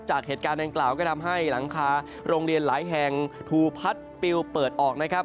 จากเหตุการณ์ดังกล่าวก็ทำให้หลังคาโรงเรียนหลายแห่งถูกพัดปิวเปิดออกนะครับ